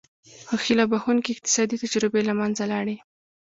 خو هیله بښوونکې اقتصادي تجربې له منځه لاړې.